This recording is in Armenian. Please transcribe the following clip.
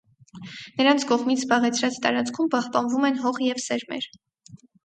Նրանց կողմից զբաղեցրած տարածքում պահպանվում են հող և սերմեր։